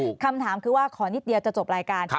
คำถามคือว่าขอนิดเดียวจะจบรายการ